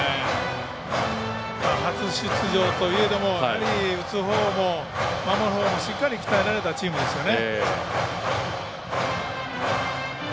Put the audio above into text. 初出場といえども打つほうも守るほうもしっかり鍛えられたチームですよね。